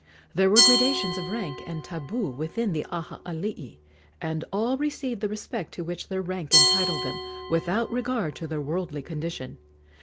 There were gradations of rank and tabu within the Aha alii, and all received the respect to which their rank entitled them, without regard to their worldly condition.